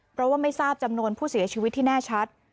เพราะว่าไม่ทราบจำนวนผู้เสียชีวิตที่แน่ชัด